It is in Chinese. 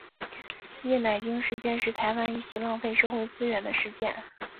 叶乃菁事件是台湾一起浪费社会资源的事件。